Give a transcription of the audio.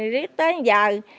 rồi tới giờ